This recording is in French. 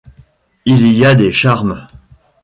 Il y a des charmes.